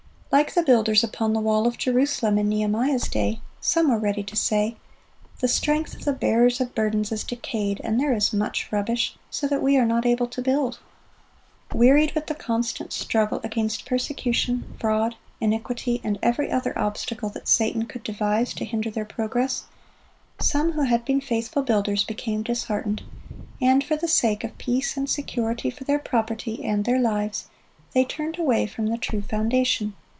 Like the builders upon the wall of Jerusalem in Nehemiah's day, some were ready to say, "The strength of the bearers of burdens is decayed, and there is much rubbish; so that we are not able to build."(86) Wearied with the constant struggle against persecution, fraud, iniquity, and every other obstacle that Satan could devise to hinder their progress, some who had been faithful builders became disheartened; and for the sake of peace and security for their property and their lives, they turned away from the true foundation.